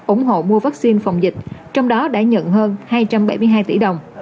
ủng hộ mua vaccine phòng dịch trong đó đã nhận hơn hai trăm bảy mươi hai tỷ đồng